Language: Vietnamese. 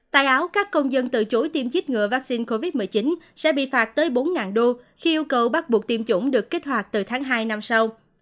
tại áo các công dân từ chối tiêm chích ngừa vaccine covid một mươi chín sẽ bị phạt tới bốn đô khi yêu cầu bắt buộc tiêm chủng được kích hoạt từ tháng hai năm sau